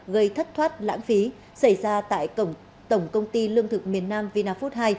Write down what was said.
gây thất thoát lãng phí xảy ra tại tổng công ty lương thực miền nam vina food hai